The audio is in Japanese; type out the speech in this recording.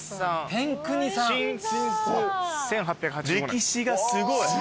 歴史がすごい。